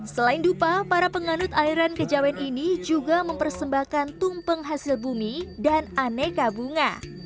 selain dupa para penganut aliran kejawen ini juga mempersembahkan tumpeng hasil bumi dan aneka bunga